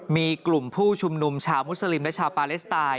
มีกลุ่มผู้ชุมนุมชาวมุสลิมและชาวปาเลสไตน